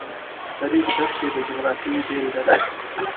د ریګ دښتې د جغرافیې بېلګه ده.